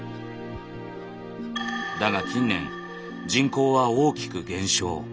だが近年人口は大きく減少。